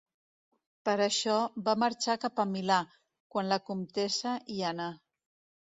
Per això, va marxar cap a Milà, quan la comtessa hi anà.